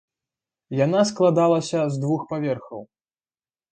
Яна складалася з двух паверхаў.